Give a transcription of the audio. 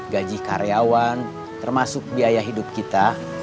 gaji karyawan termasuk biaya hidup kita